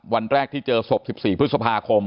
วันแรกที่เจอศพ๑๔๐๙๒๐๒๑